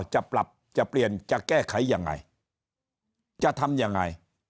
จะปรับจะเปลี่ยนจะแก้ไขยังไงจะทำยังไง